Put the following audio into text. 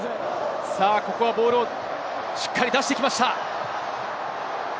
ボールをしっかり出してきました。